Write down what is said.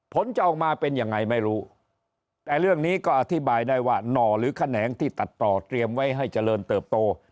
ผลจะออกมาเป็นยังไงไม่รู้แต่เรื่องนี้ก็อธิบายได้ว่าหน่อหรือแขนงที่ตัดต่อเตรียมไว้ให้เจริญเติบโต